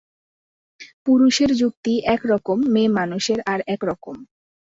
পুরুষের যুক্তি এক রকম, মেয়েমানুষের আর এক রকম।